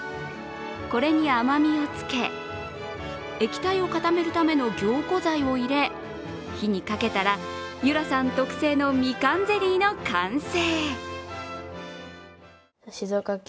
これに甘みをつけ、液体を固めるための凝固剤を入れ、火にかけたら結桜さん特製のみかんゼリーの完成。